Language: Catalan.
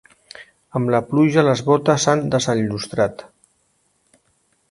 Amb la pluja les botes s'han desenllustrat.